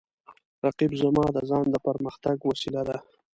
رقیب زما د ځان د پرمختګ وسیله ده